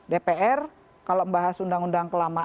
dpr kalau membahas undang undang kelamaan